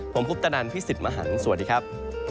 ผมพุทธนันท์พี่สิทธิ์มหันธ์สวัสดีครับ